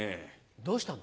どうしたの？